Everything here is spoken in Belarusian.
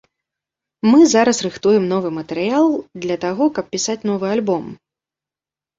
Мы зараз рыхтуем новы матэрыял для таго, каб пісаць новы альбом.